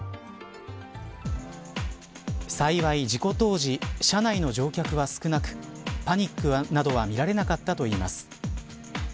幸い、事故当時車内の乗客は少なくパニックなどは見られなかったといいます。